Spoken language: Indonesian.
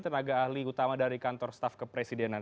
tenaga ahli utama dari kantor staf kepresidenan